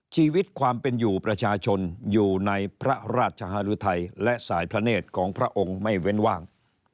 ชีวิตความเป็นอยู่ประชาชนอยู่ในพระราชหารุทัยและสายพระเนธของพระองค์ไม่เว้นว่าง